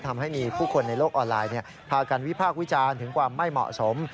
ทำให้มีผู้คนในโลกออนไลน์พากันวิพากษ์วิจารณ์ถึงความไม่เหมาะสม